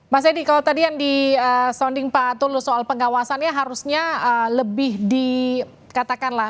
mas edi kalau tadi yang di sounding pak tulus soal pengawasannya harusnya lebih dikatakanlah